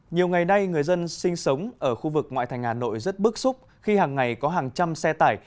nhiều ngày nay người dân sinh sống ở khu vực ngoại thành hà nội rất bức xúc khi hàng ngày có hàng trăm xe tải